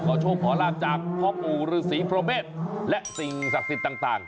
โชคขอลาบจากพ่อปู่ฤษีพระเมษและสิ่งศักดิ์สิทธิ์ต่าง